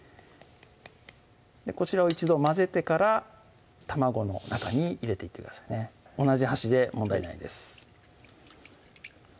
こちらを一度混ぜてから卵の中に入れていってくださいね同じ箸で問題ないです